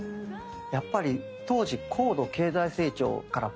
やっぱり当時高度経済成長からバブル。